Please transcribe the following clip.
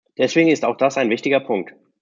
Deswegen ist auch das ein wichtiger Punkt.